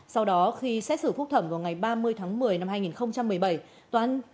sau đó khi xét xử phúc thẩm vào ngày ba mươi tháng một mươi năm hai nghìn một mươi bảy